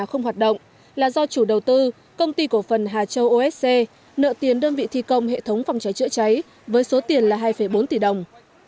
không hoạt động là do chủ đầu tư công ty cổ phần hà châu usc nợ tiền đơn vị thi công hệ thống phòng cháy chữa cháy với số tiền là hai bốn tỷ đồng